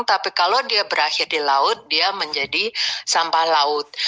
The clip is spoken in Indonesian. tapi kalau dia berakhir di laut dia menjadi sampah laut